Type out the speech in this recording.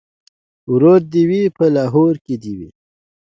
ـ ورور دې وي په لاهور دې وي.